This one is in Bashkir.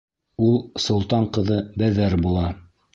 Ул солтан ҡыҙы Бәҙәр була.